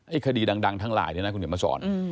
คดีดังทั้งหลายเนี่ยนะคุณเดี๋ยวมาสอน